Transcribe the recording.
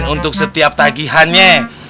untuk setiap tagihannya